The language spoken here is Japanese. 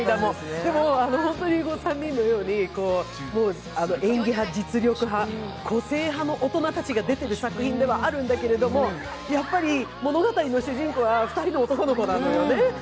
でも、本当に、３人のように演技派・実力派、個性派の大人たちが出てる作品ではあるんだけど、やっぱり物語の主人公は２人の男の子なのよね。